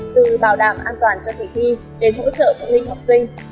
từ bảo đảm an toàn cho kỳ thi đến hỗ trợ phụ huynh học sinh